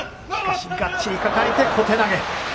がっちり抱えて小手投げ。